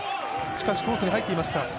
しかしコースに入っていました。